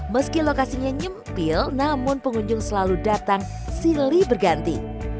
meski lokasinya nyempil namun pengunjung selalu datang silih berganti